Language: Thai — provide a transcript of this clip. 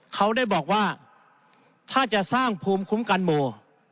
เขาได้บอกว่าถ้าจะสร้างภูมิคุ้มกันหมู่